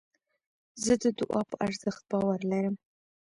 زه د دؤعا په ارزښت باور لرم.